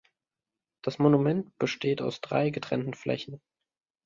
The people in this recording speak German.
Das Monument besteht aus drei getrennten Flächen.